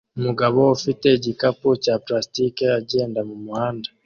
Umugabo ufite igikapu cya plastiki agenda mumuhanda